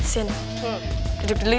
sini hidup dulu yuk